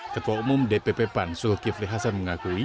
ketua umum dpw pan sulki flihasan mengakui